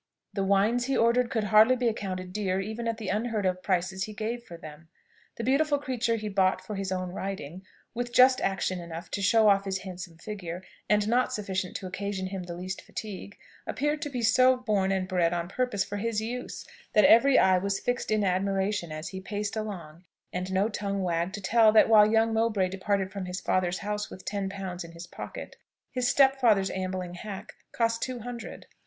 The wines he ordered could hardly be accounted dear even at the unheard of prices he gave for them. The beautiful creature he bought for his own riding, with just action enough to show off his handsome figure, and not sufficient to occasion him the least fatigue, appeared to be so born and bred on purpose for his use, that every eye was fixed in admiration as he paced along, and no tongue wagged to tell that while young Mowbray departed from his father's house with ten pounds in his pocket, his stepfather's ambling hack cost two hundred.